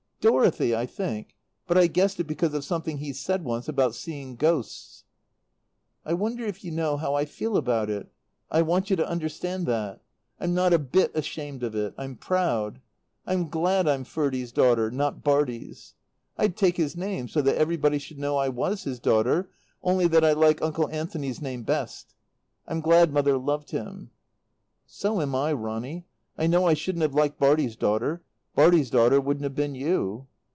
"Dorothy, I think. But I guessed it because of something he said once about seeing ghosts." "I wonder if you know how I feel about it? I want you to understand that. I'm not a bit ashamed of it. I'm proud. I'm glad I'm Ferdie's daughter, not Bartie's.... I'd take his name, so that everybody should know I was his daughter, only that I like Uncle Anthony's name best. I'm glad Mother loved him." "So am I, Ronny. I know I shouldn't have liked Bartie's daughter. Bartie's daughter wouldn't have been you."